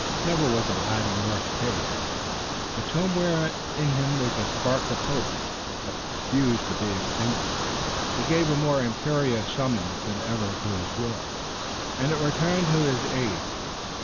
Never was a lad in worse case, but somewhere in him was a spark of hope that refused to be extinguished. He gave a more imperious summons than ever to his will, and it returned to his aid.